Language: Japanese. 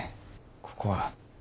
ここは。